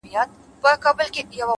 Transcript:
هوډ د وېرې غږ کموي’